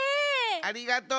ありがとう。